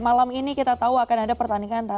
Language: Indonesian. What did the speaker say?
malam ini kita tahu akan ada pertandingan